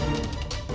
kau tidak ku